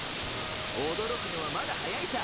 驚くのはまだ早いさ。